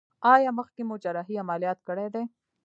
ایا مخکې مو جراحي عملیات کړی دی؟